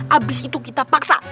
habis itu kita paksa